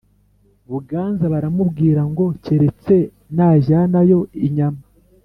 Buganza”. Baramubwira ngo keretse najyanayo inyama,